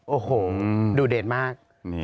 โอ้โหดูเด่นมาก